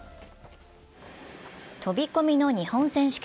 飛込の日本選手権。